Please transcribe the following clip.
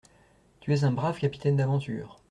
Tu es un brave capitaine d’aventure.